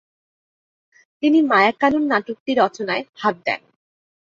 তিনি মায়াকানন নাটকটি রচনায় হাত দেন।